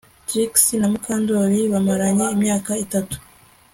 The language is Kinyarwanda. Trix na Mukandoli bamaranye imyaka itatu